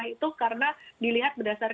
saya bilang murah itu karena dilihat berdasarkan